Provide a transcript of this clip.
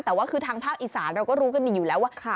แต่ว่าคือทางภาคอีสานเราก็รู้กันดีอยู่แล้วว่า